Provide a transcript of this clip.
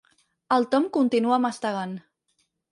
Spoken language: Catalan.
El Tom continua mastegant.